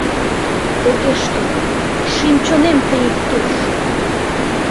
Огеш кӱл, шӱм-чонем тый ит турж.